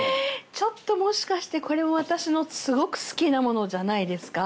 ちょっともしかしてこれも私のすごく好きなものじゃないですか？